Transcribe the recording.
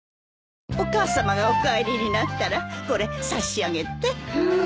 お母さまがお帰りになったらこれ差し上げて。